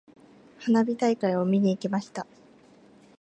花火大会を見に行きました。